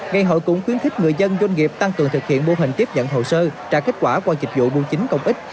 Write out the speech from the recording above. ngày hội cũng khuyến khích người dân doanh nghiệp tăng cường thực hiện mô hình tiếp nhận hồ sơ trả kết quả qua dịch vụ bưu chính công ích